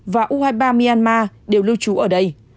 và u hai mươi ba myanmar đều lưu trú ở đây